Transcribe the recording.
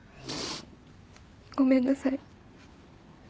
ごめんなさい。